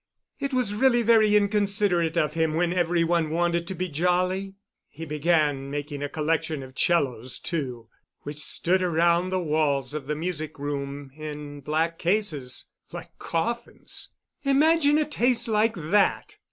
It was really very inconsiderate of him when every one wanted to be jolly. He began making a collection of 'cellos, too, which stood around the walls of the music room in black cases like coffins. Imagine a taste like that!